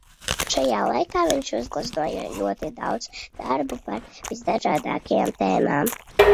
Šajā laikā viņš uzgleznoja ļoti daudz darbu par visdažādākajām tēmām.